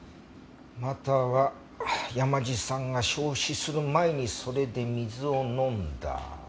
または山路さんが焼死する前にそれで水を飲んだ。